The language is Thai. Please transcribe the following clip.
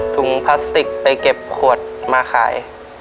พลาสติกไปเก็บขวดมาขาย